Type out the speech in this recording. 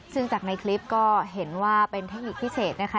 ซึ่งจากในคลิปก็เห็นว่าเป็นเทคนิคพิเศษนะคะ